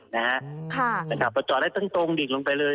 เผทาอาปเจาะได้ตรงลงไปเลย